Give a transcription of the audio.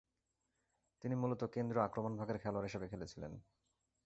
তিনি মূলত কেন্দ্রীয় আক্রমণভাগের খেলোয়াড় হিসেবে খেলেছিলেন।